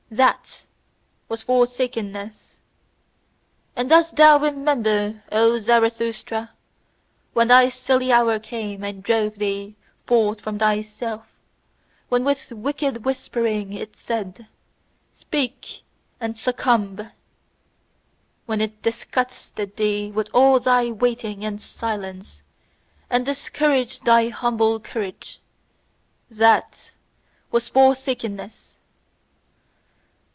THAT was forsakenness! And dost thou remember, O Zarathustra? When thy stillest hour came and drove thee forth from thyself, when with wicked whispering it said: 'Speak and succumb!' When it disgusted thee with all thy waiting and silence, and discouraged thy humble courage: THAT was forsakenness!"